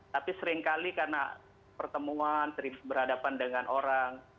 tapi seringkali karena pertemuan berhadapan dengan orang